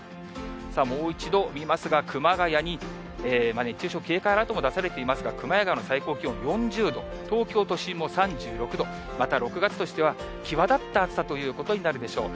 もう一度見ますが、熊谷に熱中症警戒アラートも出されていますが、熊谷の最高気温４０度、東京都心も３６度、また６月としては際立った暑さということになるでしょう。